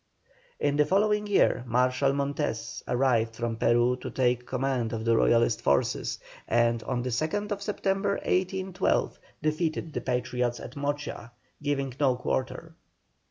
In the following year Marshal Montes arrived from Peru to take command of the Royalist forces, and on the 2nd September, 1812, defeated the Patriots at Mocha, giving no quarter.